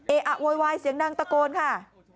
เอ๊ะโวยเสียงดังตะโกนค่ะ